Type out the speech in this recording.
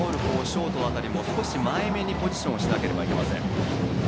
ショート辺りも少し前めにポジショニングをしないといけません。